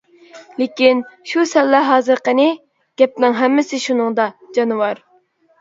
لېكىن، شۇ سەللە ھازىر قېنى؟ گەپنىڭ ھەممىسى شۇنىڭدا، جانىۋار.